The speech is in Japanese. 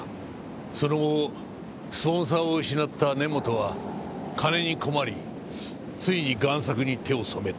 その後スポンサーを失った根本は金に困りついに贋作に手を染めた。